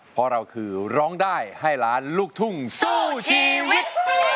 เพราะเราคือร้องได้ให้ล้านลูกทุ่งสู้ชีวิต